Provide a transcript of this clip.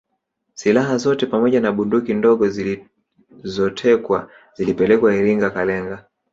Silaha zote pamoja na bunduki ndogo zilizotekwa zilipelekwa Iringa Kalenga